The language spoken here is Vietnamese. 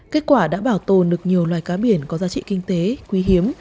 kết quả đã bảo tồn được nhiều loài cá biển có giá trị kinh tế quý hiếm